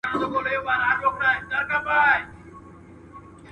تاسو به د خپل ذهن په سمه کارونه کي مهارت لرئ.